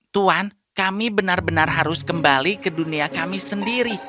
tuan kami benar benar harus kembali ke dunia kami sendiri